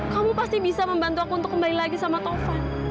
kamu pasti bisa membantu aku untuk kembali lagi sama tovan